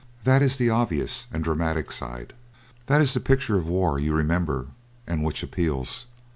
That is the obvious and dramatic side. That is the picture of war you remember and which appeals.